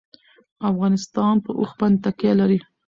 افغانستان په اوښ باندې تکیه لري.